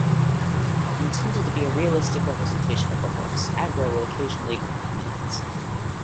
Intended to be a realistic representation of a horse, Agro will occasionally ignore commands.